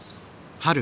春。